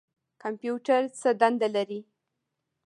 کمپیوټر څه دنده لري؟